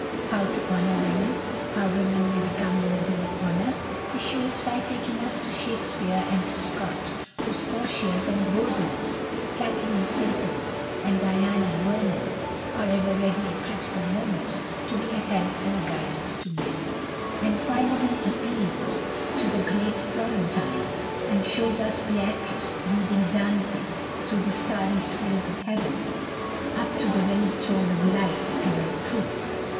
How to honour women, how women may become worthy of honour, he shows by taking us to Shakspere and to Scott, whose Portias and Rosalinds, Catherine Seytons and Diana Vernons are ever ready at critical moments to be a help and a guidance to men; and finally he appeals to the great Florentine, and shows us Beatrice leading Dante through the starry spheres of heaven up to the very throne of light and of truth.